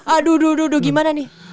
aduh aduh aduh gimana nih